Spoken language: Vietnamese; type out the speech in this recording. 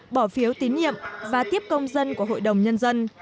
bỏ phiếu tín nhiệm và tiếp công dân của hội đồng nhân dân